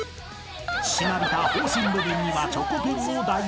［しなびた砲身部分にはチョコペンを代用］